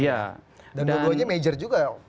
dan bodohnya major juga